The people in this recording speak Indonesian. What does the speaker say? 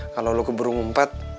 kalo lo keburu ngumpet